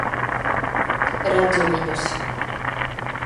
Redzu viņus.